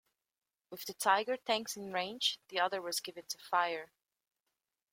With the Tiger tanks in range, the order was given to fire.